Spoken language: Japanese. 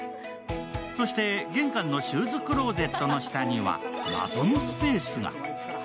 そして玄関のシューズクローゼットの下には謎のスペースが。